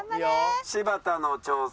柴田の挑戦。